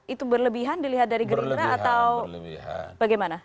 itu berlebihan dilihat dari gerindra atau bagaimana